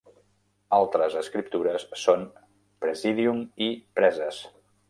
Altres escriptures són "presidium" i "preses".